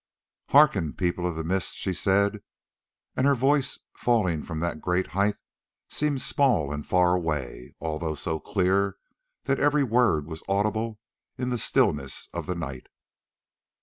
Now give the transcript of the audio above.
"Hearken, People of the Mist," she said; and her voice falling from that great height seemed small and far away, although so clear that every word was audible in the stillness of the night.